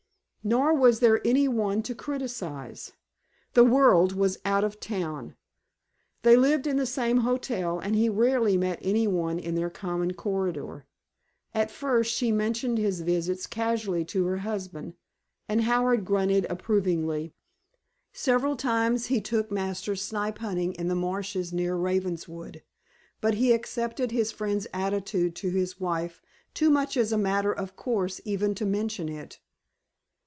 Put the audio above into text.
Nor was there any one to criticize. The world was out of town. They lived in the same hotel, and he rarely met any one in their common corridor. At first she mentioned his visits casually to her husband, and Howard grunted approvingly. Several times he took Masters snipe shooting in the marshes near Ravenswood, but he accepted his friend's attitude to his wife too much as a matter of course even to mention it.